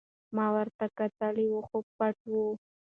ما ورته کتل خو پټه وه.